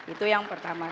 itu yang pertama